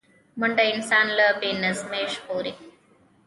منډه انسان له بې نظمۍ ژغوري